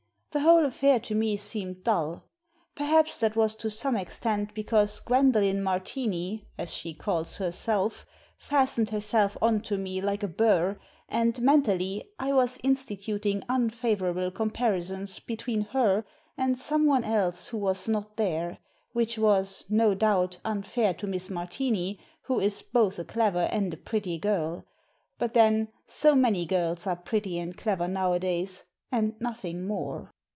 The whole affair to me seemed dull. Perhaps that was to some extent because Gwendolen Martini — as she calls herself — fastened herself on to me like a burr, and, mentally, I was instituting unfavourable comparisons between her and someone else who was not there — which was, Digitized by VjOOQIC 224 THE SEEN AND THE UNSEEN no doubt, unfair to Miss Martini, who is both a clever and a pretty girl. But then so many girls are pretty and clever nowadays — and nothing more.